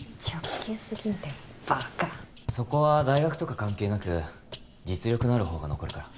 そこは大学とか関係なく実力のあるほうが残るから。